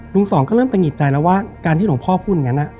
สองก็เริ่มตะหิดใจแล้วว่าการที่หลวงพ่อพูดอย่างนั้น